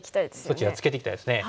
そちらツケていきたいですね。